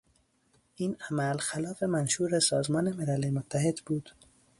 این عمل خلاف منشور سازمان ملل متحد بود.